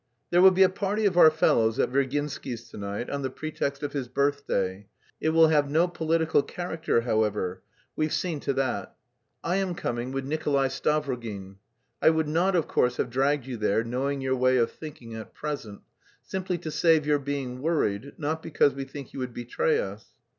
There will be a party of our fellows at Virginsky's to night on the pretext of his birthday; it will have no political character, however we've seen to that. I am coming with Nikolay Stavrogin. I would not, of course, have dragged you there, knowing your way of thinking at present... simply to save your being worried, not because we think you would betray us.